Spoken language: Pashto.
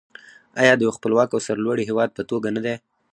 آیا د یو خپلواک او سرلوړي هیواد په توګه نه دی؟